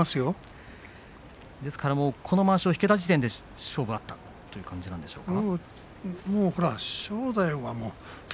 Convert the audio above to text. ですから、まわしを引けた時点で勝負あったという感じですか。